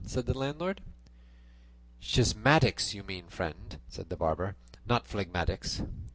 said the landlord. "Schismatics you mean, friend," said the barber, "not phlegmatics."